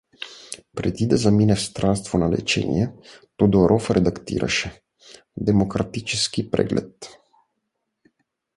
Преди да замине в странство на лечение, П. Ю. Тодоров редактираше „Демократически преглед“.